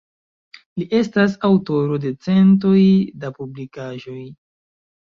Li estas aŭtoro de centoj da publikaĵoj.